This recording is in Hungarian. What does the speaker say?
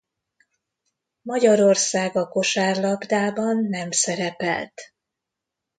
Magyarország a kosárlabdában nem szerepelt.